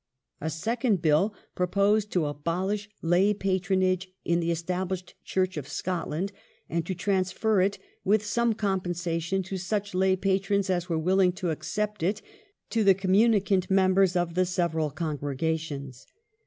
A second Bill proposed to abolish lay patronage in the Estab Lay lished Church of Scotland and to transfer it, with some compen ^^^"^^J^^S^ sation to such lay patrons as were willing to accept it, to the Scotland communicant members of the several congregations.